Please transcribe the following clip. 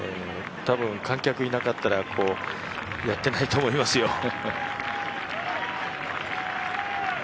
多分、観客いなかったらやってないと思いますよ。